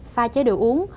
phai chế đồ uống